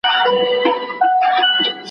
وارث له درده یو ځل اخ وکړ.